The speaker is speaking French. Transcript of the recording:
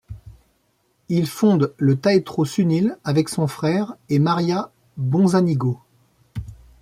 Il fonde le Teatro Sunil avec son frère et Maria Bonzanigo.